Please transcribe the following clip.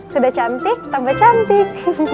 sudah cantik tambah cantik